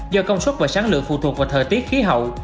do công suất và sáng lượng phụ thuộc vào thời tiết khí hậu